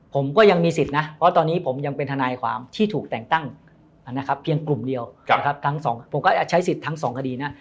ผมก็ยังมีสิทธิ์นะเพราะตอนนี้ผมยังเป็นทนายความที่ถูกแต่งตั้งนะครับเพียงกลุ่มเดียวนะครับทั้งสองผมก็ใช้สิทธิ์ทั้งสองคดีนะ